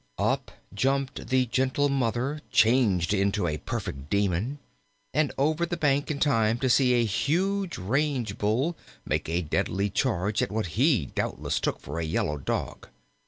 Up jumped the gentle Mother, changed into a perfect demon, and over the bank in time to see a huge Range bull make a deadly charge at what he doubtless took for a yellow dog.